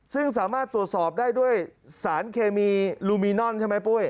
ซึ่งสามารถตรวจสอบได้ด้วยสารเคมีลูมินอนใช่ไหมปุ้ย